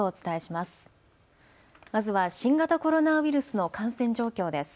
まずは新型コロナウイルスの感染状況です。